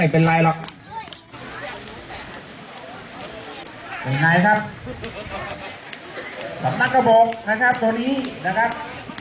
เหมือนกระโบบนะครับตรงนี้นะครับ